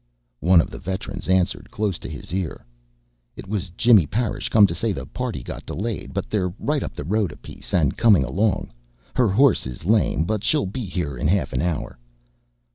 One of the veterans answered, close to his ear: "It was Jimmy Parish come to say the party got delayed, but they're right up the road a piece, and coming along. Her horse is lame, but she'll be here in half an hour."